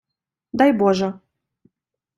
- Дай боже...